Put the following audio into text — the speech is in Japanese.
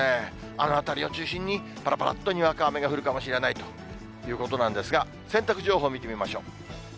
あの辺りを中心に、ぱらぱらっとにわか雨が降るかもしれないということなんですが、洗濯情報見てみましょう。